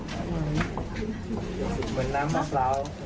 เหมือนน้ำมะพร้าว